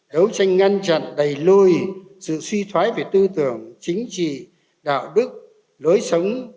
đấu tranh ngăn chặn đẩy lùi sự suy thoái về tư tưởng chính trị đạo đức lối sống